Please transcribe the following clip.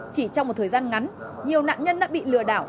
chỉ trong một thời gian ngắn nhiều nạn nhân đã bị lừa đảo